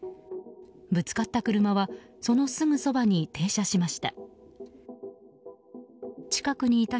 ぶつかった車はそのすぐそばに停車しました。